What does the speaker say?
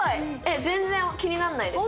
全然気になんないですよ